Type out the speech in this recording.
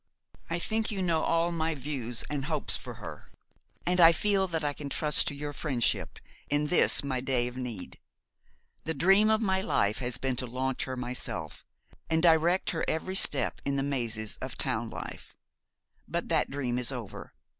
I think you know all my views and hopes about her; and I feel that I can trust to your friendship in this my day of need. The dream of my life has been to launch her myself, and direct her every step in the mazes of town life; but that dream is over.